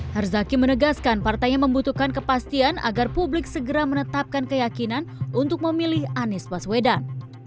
herzaki menegaskan partainya membutuhkan kepastian agar publik segera menetapkan keyakinan untuk memilih anies baswedan